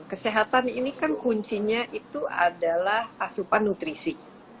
kesehatan ini kan kuncinya itu adalah asupan nutrisi